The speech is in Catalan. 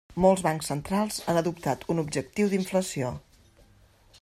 Molts bancs centrals han adoptat un objectiu d'inflació.